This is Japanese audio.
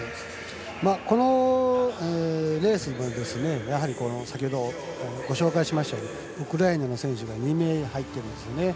このレースは先ほどご紹介しましたようにウクライナの選手が２名、入ってるんです。